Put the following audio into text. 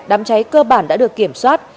đám cháy cơ bản đã được kiểm soát